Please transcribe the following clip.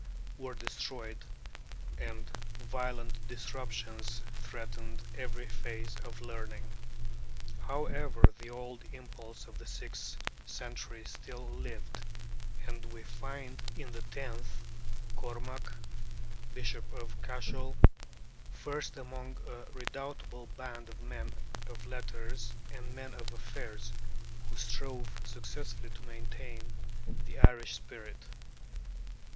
were destroyed, and violent disruptions threatened every phase of learning. However, the old impulse of the sixth century still lived; and we find in the tenth, Cormac, Bishop of Cashel, first among a redoubtable band of men of letters and men of affairs who strove successfully to maintain the Irish spirit.